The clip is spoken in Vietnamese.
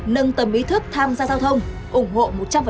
nâng tầm ý thức tham gia giao thông ủng hộ một trăm linh